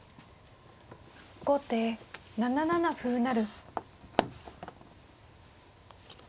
後手７七歩成。